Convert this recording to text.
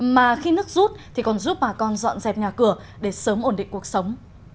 mà khi nước rút thì còn giúp bà con dọn dẹp nhà cửa để sớm ổn định cuộc sống